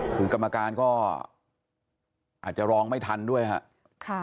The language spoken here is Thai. คือกรรมการก็อาจจะร้องไม่ทันด้วยครับ